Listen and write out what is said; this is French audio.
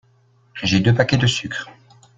J'ai deux paquets de sucre.